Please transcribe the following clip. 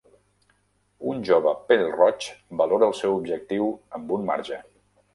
Un jove pèl-roig valora el seu objectiu amb un marge.